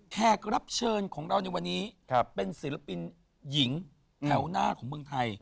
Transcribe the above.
แขกรับเชิญของเราในวันนี้เป็นศิลปินหญิงแถวหน้าของเมืองไทย